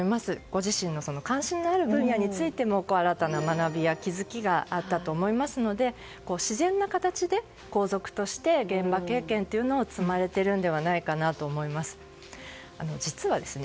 ご自身の関心のある分野についても新たな学びや気づきがあったと思いますので自然な形で皇族として現場経験を積まれていると思います。